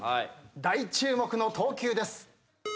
大注目の投球です。